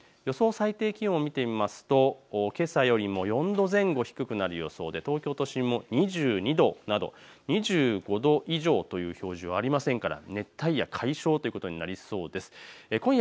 最低気温を見ていきますとけさよりも４度前後低くなる予想で東京都心も２２度など２５度以上という表示はありませんから、熱帯夜、解消ということになりそうです。